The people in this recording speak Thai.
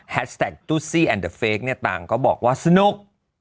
แฮดสแตกตุ๊ดซี่แอดเดอฟเฟคต่างก็บอกว่าสนุก